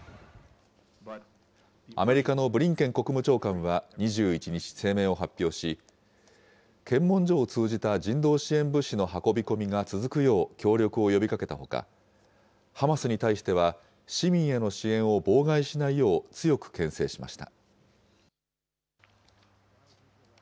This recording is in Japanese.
アメリカのブリンケン国務長官は２１日、声明を発表し、検問所を通じた人道支援物資の運び込みが続くよう協力を呼びかけたほか、ハマスに対しては、市民への支援を妨害しないよう強くけん制しました。